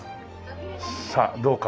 さあどうか。